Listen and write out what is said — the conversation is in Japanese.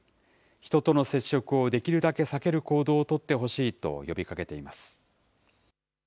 人との接触をできるだけ避ける行動を取ってほしいと呼びかけています。